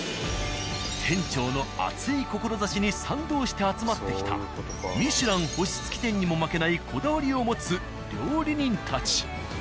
して集まってきたミシュラン星付き店にも負けないこだわりを持つ料理人たち。